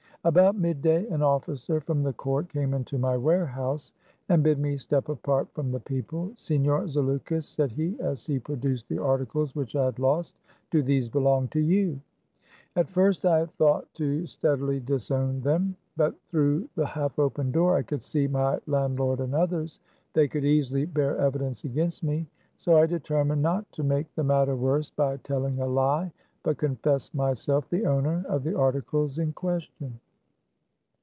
About midday an officer from the court came into my warehouse, and bid me step apart from the people. " Signor Zaleukos," said he, as he produced the articles which I had lost, " do these belong to you ?" At first I thought to steadily disown them. But through the half open door I could see my landlord and others. They could easily bear evi dence against me, so I determined not to make the THE CAB AVAN. 145 matter worse by telling a lie, but confessed my self the owner of the articles in question.